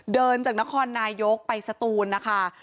เดินจากนครนายกไปสตูนนะคะ